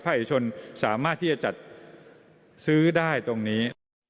เอกชนสามารถที่จะจัดซื้อได้ตรงนี้